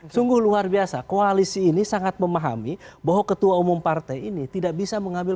sungguh luar biasa koalisi ini sangat memahami bahwa ketua umum partai ini tidak bisa mengambil